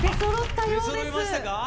出そろいましたか？